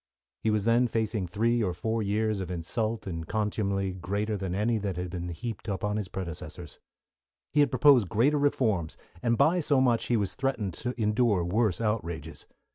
He was then facing three or four years of insult and contumely greater than any that had been heaped upon his predecessors. He had proposed greater reforms, and by so much he was threatened to endure worse outrages.